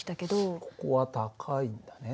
ここは「高い」だね。